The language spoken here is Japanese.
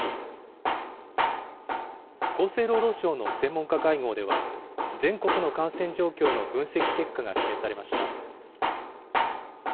厚生労働省の専門家会合では、全国の感染状況の分析結果が示されました。